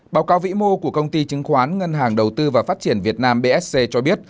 báo cáo vĩ mô của công ty chứng khoán ngân hàng đầu tư và phát triển việt nam bsc cho biết